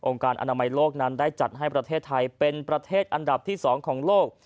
การอนามัยโลกนั้นได้จัดให้ประเทศไทยเป็นประเทศอันดับที่๒ของโลก